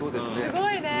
すごいね。